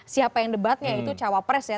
siapa yang debatnya itu cowok pres ya